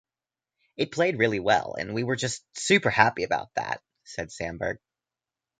"It played really well, and we were just super happy about that," said Samberg.